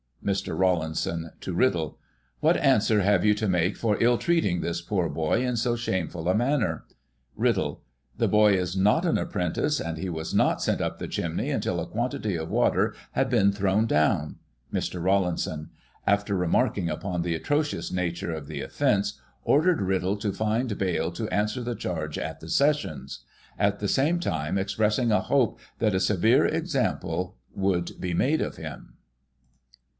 Mr. Rawlinson (to Riddle) : What answer have you to make for ill treating this poor boy in so shameful a manner ? Riddle : The boy is not an apprentice, and he was not sent up the chimney until a quantity of water had been thrown down. Mr. Rawlinson, after remarking upon the atrocious nature of the offence, ordered Riddle to find bail to answer the charge at the Sessions ; at the same time expressing a hope that a severe example would be made of him.